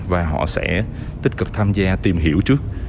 và họ sẽ tích cực tham gia tìm hiểu trước